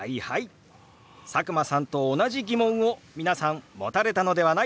佐久間さんと同じ疑問を皆さん持たれたのではないでしょうか。